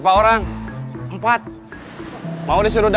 topup sungguh segarnya